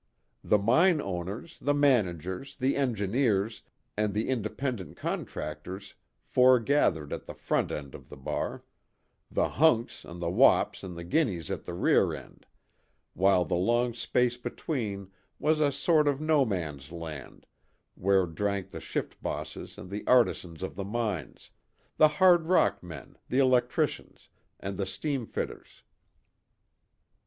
The mine owners, the managers, the engineers, and the independent contractors foregathered at the front end of the bar; the hunks, and the wops, and the guineas at the rear end; while the long space between was a sort of no man's land where drank the shift bosses and the artisans of the mines the hard rock men, the electricians, and the steam fitters.